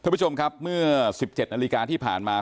คุณผู้ชมครับเมื่อ๑๗นาฬิกาที่ผ่านมา